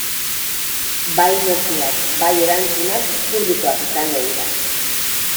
Bai mezuak bai erantzunak publikoak izango dira.